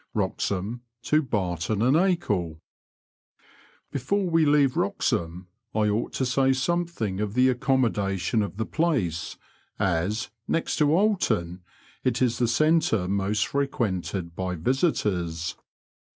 Wboxhah to Babton and Agle. Before we leave Wroxham I onght to say something of the accommodation of the place, as, next to Oolton, it is the centre most frequented by visitors.